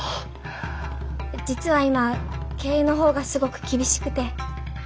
実は今経営の方がすごく厳しくて。